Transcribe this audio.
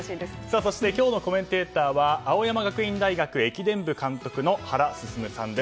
そして今日のコメンテーターは青山学院大学駅伝部監督の原晋さんです。